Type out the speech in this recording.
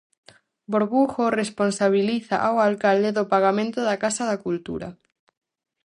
Borbujo responsabiliza ao alcalde do pagamento da Casa da Cultura.